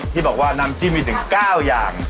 ที่บอกว่าน้ำจิ้มมีถึง๙อย่าง